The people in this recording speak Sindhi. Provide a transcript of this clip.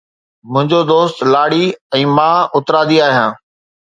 منھنجو دوست لاڙي ۽ مان اترادي آھيان.